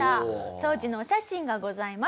当時のお写真がございます。